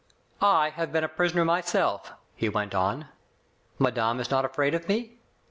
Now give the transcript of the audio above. "I have been a prisoner myself/* he went on; "madame is not afraid of me?